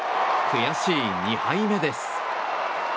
悔しい２敗目です。